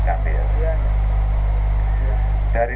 kemudian perangkat tersebut terjadi